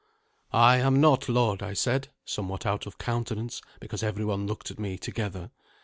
"I am not, lord," I said, somewhat out of countenance, because every one looked at me together.